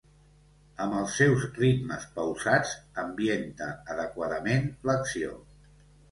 Amb els seus ritmes pausats, ambienta adequadament l'acció.